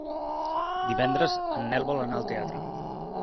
Divendres en Nel vol anar al teatre.